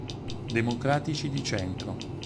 Democratici di Centro